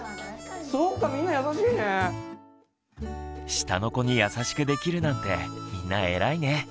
下の子に優しくできるなんてみんなえらいね。